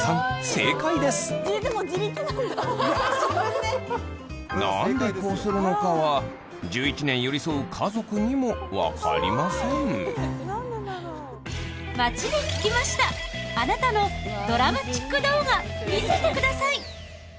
正解です何でこうするのかは１１年寄り添う家族にも分かりません街で聞きましたあなたの見せてください